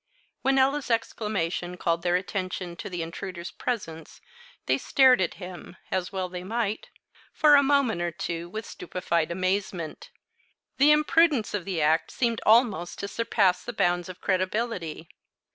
When Ella's exclamation called their attention to the intruder's presence, they stared at him, as well they might, for a moment or two with stupefied amazement; the impudence of the act seemed almost to surpass the bounds of credibility.